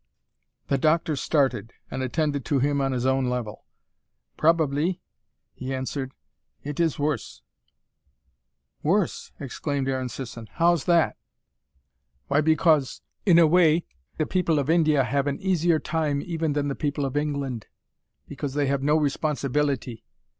The doctor started, and attended to him on his own level. "Probably," he answered. "It is worse." "Worse!" exclaimed Aaron Sisson. "How's that?" "Why, because, in a way the people of India have an easier time even than the people of England. Because they have no responsibility.